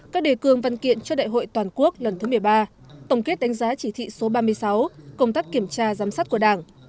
các đề cương văn kiện cho đại hội toàn quốc lần thứ một mươi ba tổng kết đánh giá chỉ thị số ba mươi sáu công tác kiểm tra giám sát của đảng